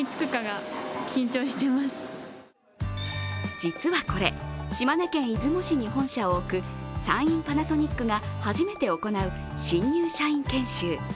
実はこれ、島根県出雲市に本社を置く山陰パナソニックが初めて行う新入社員研修。